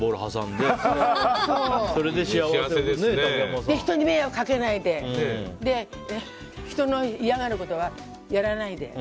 で、人に迷惑かけないで人の嫌がることはやらないで。